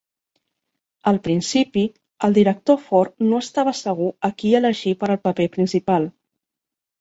Al principi, el director Ford no estava segur a qui elegir per al paper principal.